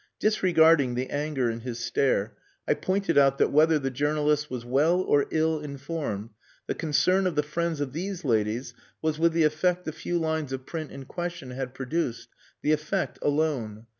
Disregarding the anger in his stare, I pointed out that whether the journalist was well or ill informed, the concern of the friends of these ladies was with the effect the few lines of print in question had produced the effect alone.